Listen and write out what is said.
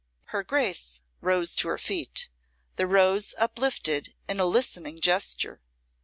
Her Grace rose to her feet, the rose uplifted in a listening gesture.